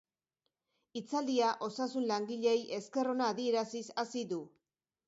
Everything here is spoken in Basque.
Hitzaldia osasun langileei esker ona adieraziz hasi du.